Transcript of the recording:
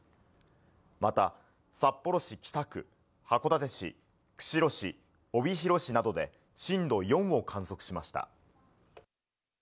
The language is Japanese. また札幌市北区、函館市、釧路市、帯広市などで震度４を観測しました。